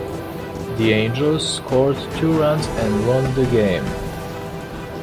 The Angels scored two runs and won the game.